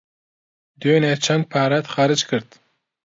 دوێنێ چەند پارەت خەرج کرد؟